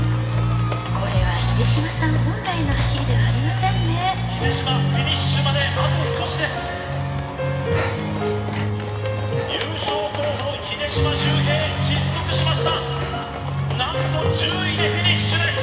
これは秀島さん本来の走りではありませんね秀島フィニッシュまであと少しです優勝候補の秀島修平失速しました何と１０位でフィニッシュです